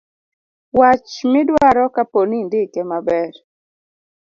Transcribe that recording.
wach midwaro kapo ni indike maber